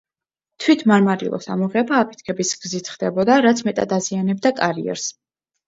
თვით მარმარილოს ამოღება აფეთქების გზით ხდებოდა, რაც მეტად აზიანებდა კარიერს.